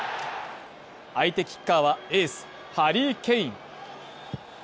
相手キッカーはエース、ハリー・ケイン。